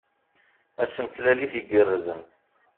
Ass n tlalit igerrzen!